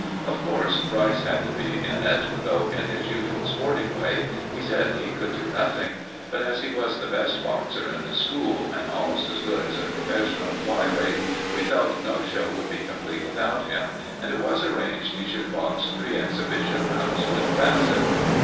Of course, Rice had to be in it, though, in his usual sporting way, he said he could do nothing. But as he was the best boxer in the school, and almost as good as a professional "fly" weight, we felt no show would be complete without him, and it was arranged he should box three exhibition rounds with Bassett.